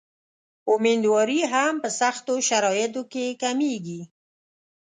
امیندواري هم په سختو شرایطو کې کمېږي.